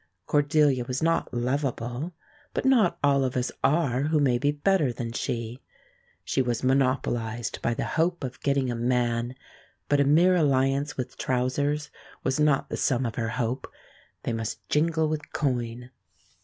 Cordelia was not lovable, but not all of us are who may be better than she. She was monopolized by the hope of getting a man; but a mere alliance with trousers was not the sum of her hope; they must jingle with coin.